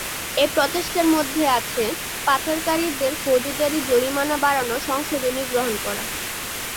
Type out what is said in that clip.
এই প্রচেষ্টার মধ্যে আছে পাচারকারীদের ফৌজদারি জরিমানা বাড়ানোর সংশোধনী গ্রহণ করা।